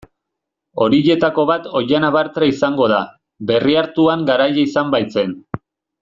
Horietako bat Oihana Bartra izango da, Berriatuan garaile izan baitzen.